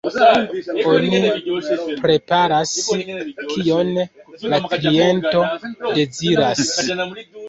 Oni preparas, kion la kliento deziras.